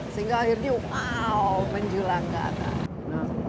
sehingga akhirnya wow menjulangkan